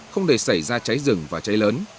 không để xảy ra cháy rừng và cháy lớn